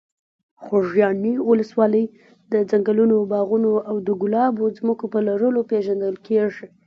خوږیاڼي ولسوالۍ د ځنګلونو، باغونو او د ګلابو ځمکو په لرلو پېژندل کېږي.